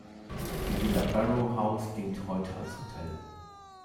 Die Villa Barrow House dient heute als Hotel.